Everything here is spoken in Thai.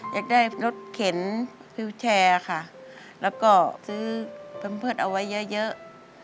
อยากได้รถเข็นวิวแชร์ค่ะแล้วก็ซื้อแพมเพิร์ตเอาไว้เยอะ